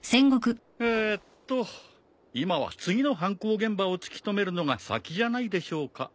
えーっと今は次の犯行現場を突き止めるのが先じゃないでしょうか？